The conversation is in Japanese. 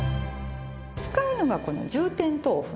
使うのがこの充填豆腐ね。